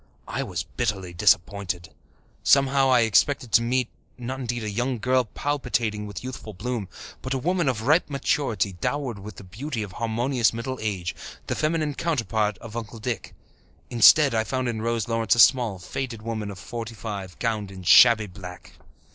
I was bitterly disappointed. Somehow, I had expected to meet, not indeed a young girl palpitating with youthful bloom, but a woman of ripe maturity, dowered with the beauty of harmonious middle age the feminine counterpart of Uncle Dick. Instead, I found in Rose Lawrence a small, faded woman of forty five, gowned in shabby black.